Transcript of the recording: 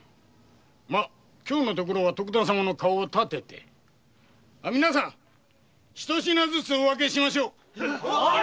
ま今日のところは徳田様の顔をたてて皆さんに一品ずつお分けしましょう。